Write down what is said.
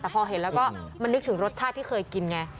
แต่พอเห็นแล้วก็มันนึกถึงรสชาติที่เคยกินไง